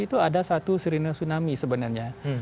itu ada satu sirine tsunami sebenarnya